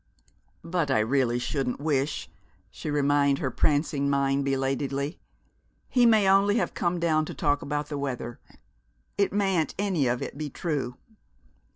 "But I really shouldn't wish," she reminded her prancing mind belatedly. "He may only have come down to talk about the weather. It mayn't any of it be true."